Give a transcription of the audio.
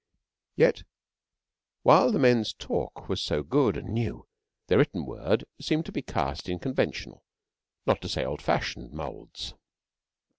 Yet, while the men's talk was so good and new, their written word seemed to be cast in conventional, not to say old fashioned, moulds.